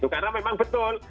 karena memang betul